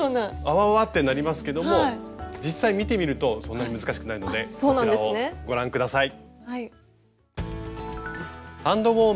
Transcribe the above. あわあわってなりますけども実際見てみるとそんなに難しくないのでこちらをご覧下さい。